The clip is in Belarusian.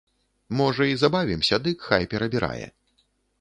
Можа, і забавімся, дык хай перабірае.